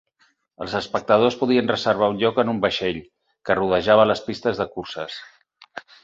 Els espectadors podien reservar un lloc en un vaixell que rodejava les pistes de curses.